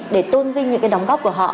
để tôn vinh những cái đóng góp của họ